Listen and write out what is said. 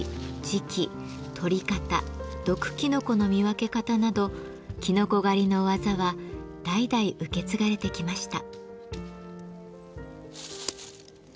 時期採り方毒きのこの見分け方などきのこ狩りの技は代々受け継がれてきました。